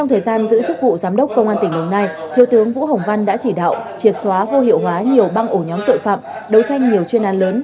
nhóm tội phạm đấu tranh nhiều chuyên án lớn